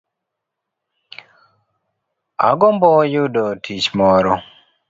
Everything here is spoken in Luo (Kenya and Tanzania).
Agombo yudo tich moro